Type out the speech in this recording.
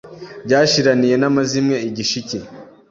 byashiraniye n'amazimwe i Gishike. "